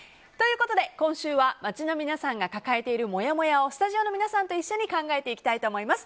今週は街の皆さんが抱えているもやもやをスタジオの皆さんと一緒に考えていきたいと思います。